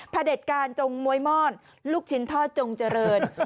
เด็จการจงมวยม่อนลูกชิ้นทอดจงเจริญ